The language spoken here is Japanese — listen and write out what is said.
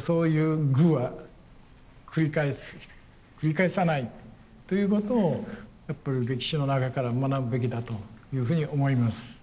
そういう愚は繰り返さないということをやっぱり歴史の中から学ぶべきだというふうに思います。